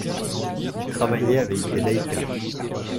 Il travaillait avec des Leica.